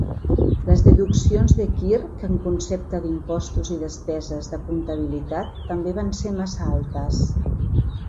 Les deduccions de Kirk en concepte d'impostos i despeses de comptabilitat també van ser massa altes.